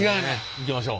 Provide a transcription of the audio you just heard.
いきましょう。